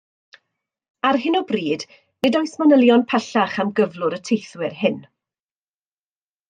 Ar hyn o bryd nid oes manylion pellach am gyflwr y teithwyr hyn.